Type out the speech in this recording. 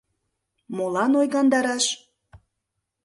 Молан ойгандараш?